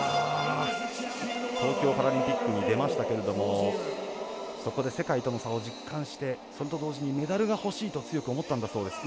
東京パラリンピックに出ましたけれどもそこで世界との差を実感してそれと同時にメダルがほしいと強く思ったんだそうです。